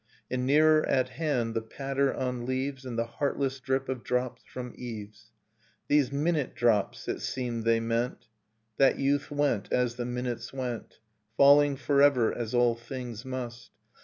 And nearer at hand the patter on leaves And the heartless drip of drops from eaves. These minute drops, it seemed they meant Innocence That youth went as the minutes went, Falling forever, as all things must.